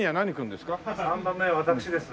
３番目は私です。